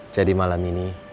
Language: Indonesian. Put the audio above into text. jadi malam ini